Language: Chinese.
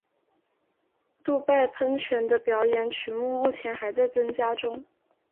杜拜喷泉的表演曲目目前还在增加中。